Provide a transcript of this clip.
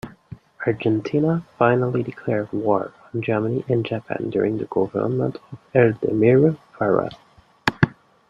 Argentina finally declared war on Germany and Japan during the government of Edelmiro Farrell.